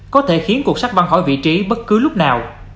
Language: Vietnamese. có thể khiến cuộc sắt băng khỏi vị trí bất cứ lúc nào